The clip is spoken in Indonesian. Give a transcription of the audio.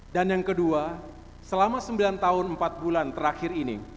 dan yang kedua selama sembilan tahun empat bulan terakhir ini